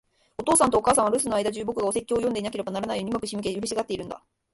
お父さんとお母さんは、留守の間じゅう、僕がお説教を読んでいなければならないように上手く仕向けて、嬉しがっているんだ。